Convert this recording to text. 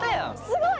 すごい！